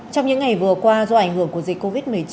trong những ngày vừa qua do ảnh hưởng của dịch covid một mươi chín